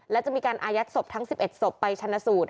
และจะมีการอายัดศพทั้ง๑๑ศพไปชนะสูตร